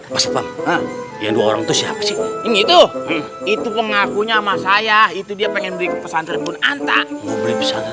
woy kita udah dapet informasi woy